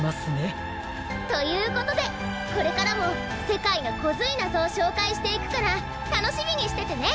ということでこれからもせかいのコズいなぞをしょうかいしていくからたのしみにしててね！